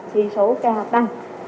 khi số ca tăng